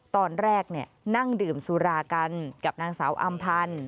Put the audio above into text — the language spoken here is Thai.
ตอนแรกนั่งดื่มสุรากันกับนางสาวอำพันธ์